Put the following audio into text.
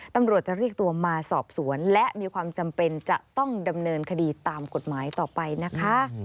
ตำรวจจะเรียกตัวมาสอบสวนและมีความจำเป็นจะต้องดำเนินคดีตามกฎหมายต่อไปนะคะ